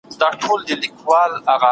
باید د ترافیکو او طلاق په مسائلو بحث وسي.